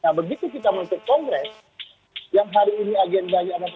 nah begitu kita masuk kongres yang hari ini agendanya apa untuk itu